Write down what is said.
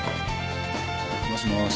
もしもーし。